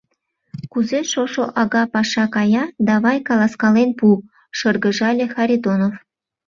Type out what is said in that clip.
Кузе шошо ага паша кая, давай, каласкален пу, — шыргыжале Харитонов.